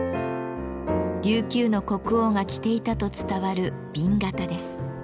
琉球の国王が着ていたと伝わる紅型です。